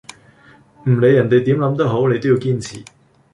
唔理人地點諗都好，你都要堅持